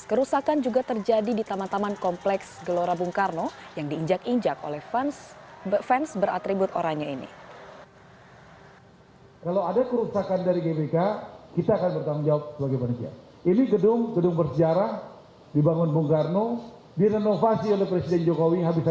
kerusakan juga terjadi di taman taman kompleks gelora bung karno yang diinjak injak oleh fans beratribut oranya ini